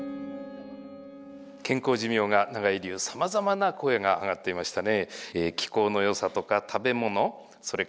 健康寿命が長い理由さまざまな声があがっていましたね。